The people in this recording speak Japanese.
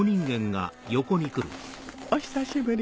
お久しぶり